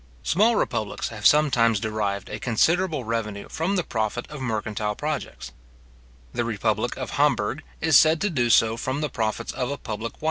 Small republics have sometimes derived a considerable revenue from the profit of mercantile projects. The republic of Hamburgh is said to do so from the profits of a public wine cellar and apothecary's shop.